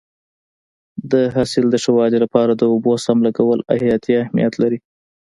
د حاصل د ښه والي لپاره د اوبو سم لګول حیاتي اهمیت لري.